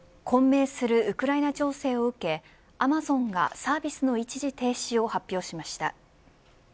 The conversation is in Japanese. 混迷するウクライナ情勢を受けアマゾンがサービスの一時停止を発表しました。